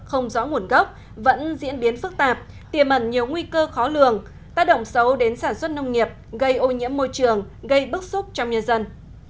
không rõ nguồn gốc vẫn diễn biến phức tạp tiềm ẩn nhiều nguy cơ khó lường tác động xấu đến sản xuất nông nghiệp gây ô nhiễm môi trường gây bức xúc trong nhân dân